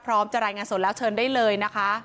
มาดูบรรจากาศมาดูความเคลื่อนไหวที่บริเวณหน้าสูตรการค้า